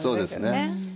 そうですね。